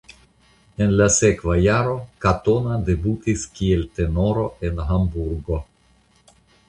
En la sekva jaro Katona debutis kiel tenoro en Hamburgo.